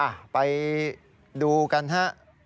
อ่ะไปดูกันฮะ